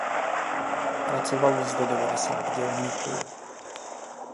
Pracovalo zde devadesát dělníků.